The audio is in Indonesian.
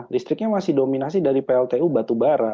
listriknya masih dominasi dari pltu batubara